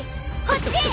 こっち！